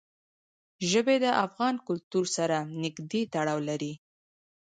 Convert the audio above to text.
ژبې د افغان کلتور سره نږدې تړاو لري.